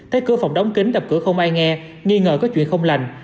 tới cửa phòng đóng kính đập cửa không ai nghe nghi ngờ có chuyện không lành